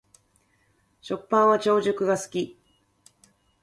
食パンは長熟が好き